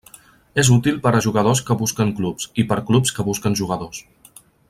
És útil per a jugadors que busquen clubs, i per clubs que busquen jugadors.